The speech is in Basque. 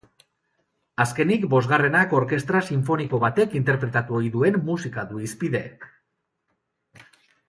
Azkenik, bosgarrenak orkestra sinfoniko batek interpretatu ohi duen musika du hizpide.